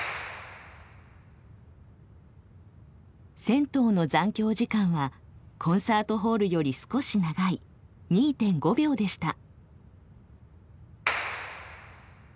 銭湯の残響時間はコンサートホールより少し長い２．５秒でした。